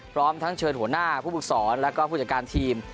พร้อมทั้งเชิญหัวหน้าผู้ฝึกศรแล้วก็ผู้จัดการทีม